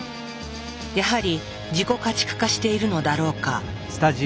やはり「自己家畜化」しているのだろうか？